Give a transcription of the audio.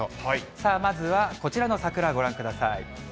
さあ、まずはこちらの桜ご覧ください。